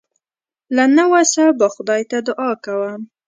له نه وسه به خدای ته دعا کوم.